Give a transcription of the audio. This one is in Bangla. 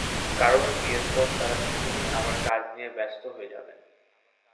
কারণ, বিয়ের পর তাঁরা দুজনই আবার কাজ নিয়ে ব্যস্ত হয়ে যাবেন।